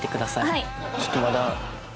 はい。